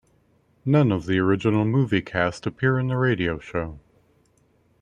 None of the original movie cast appear in the radio show.